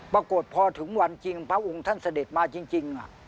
ปรากฏพอถึงวันจริงพระองค์ท่านเสด็จมาจริง